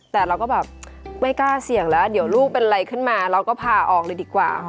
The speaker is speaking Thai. แต่เราก็แบบไม่กล้าเสี่ยงแล้วเดี๋ยวลูกเป็นอะไรขึ้นมาเราก็พาออกเลยดีกว่า